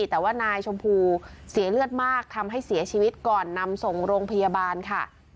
แต่ว่านายชมพูเสียเลือดมากทำให้เสียชีวิตก่อนนำส่งโรงพยาบาลค่ะ